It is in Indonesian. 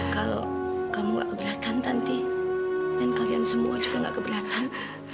kalau kamu gak keberatan nanti dan kalian semua juga nggak keberatan